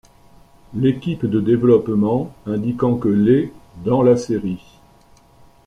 L'équipe de développement indiquant que les dans la série.